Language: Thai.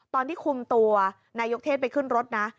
ตอนที่คุมตัวนายกเทศไปขึ้นรถนะ